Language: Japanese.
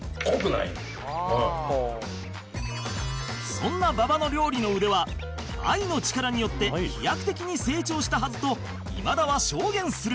そんな馬場の料理の腕は愛の力によって飛躍的に成長したはずと今田は証言する